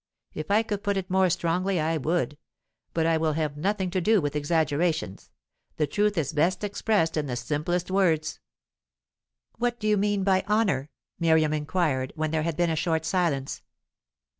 If I could put it more strongly, I would; but I will have nothing to do with exaggerations. The truth is best expressed in the simplest words." "What do you mean by honour?" Miriam inquired, when there had been a short silence.